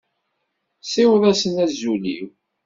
Siweḍ-asen azul-iw.